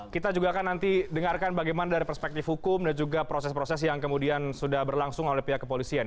kita juga akan nanti dengarkan bagaimana dari perspektif hukum dan juga proses proses yang kemudian sudah berlangsung oleh pihak kepolisian